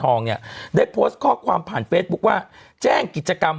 เนี่ยได้โพสต์ข้อความผ่านเฟซบุ๊คว่าแจ้งกิจกรรม